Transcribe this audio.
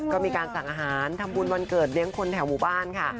ก็มีการสั่งอาหารทำบุญวันเกิดเลี้ยงคนแถวหมู่บ้านค่ะ